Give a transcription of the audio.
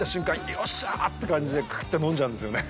よっしゃーって感じでクーっと飲んじゃうんですよね。